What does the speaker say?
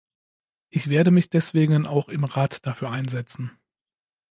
Ich werde mich deswegen auch im Rat dafür einsetzen.